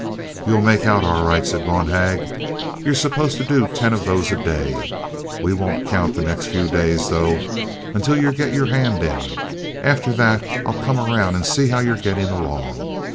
"You'll make out all right," said Bonhag. "You're supposed to do ten of those a day. We won't count the next few days, though, until you get your hand in. After that I'll come around and see how you're getting along.